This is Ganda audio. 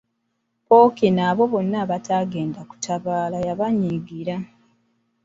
Pookino abo bonna abataagenda kutabaala yabanyiigira.